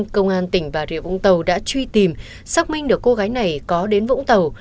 công an tỉnh bà rịa vũng tàu đã truy tìm xác minh được cô gái này có đến vũng tàu